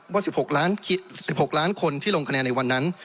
ว่า๑๖ล้านคนที่ลงคะแนนในวันนั้น